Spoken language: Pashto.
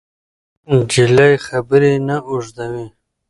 نجلۍ خبرې نه اوږدوي.